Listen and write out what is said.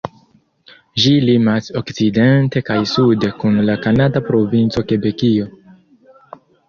Ĝi limas okcidente kaj sude kun la kanada provinco Kebekio.